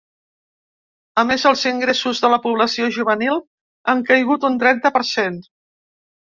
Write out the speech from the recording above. A més, els ingressos de la població juvenil han caigut un trenta per cent.